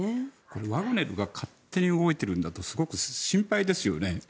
ワグネルが勝手に動いているとなるとすごく心配ですよね。